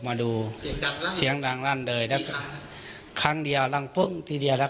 มาดูเสียงลั่งเลยแล้วครั้งเดียวลั่งพุ่งทีเดียวแล้ว